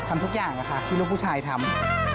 ทำทุกอย่างค่ะที่ลูกผู้ชายทำ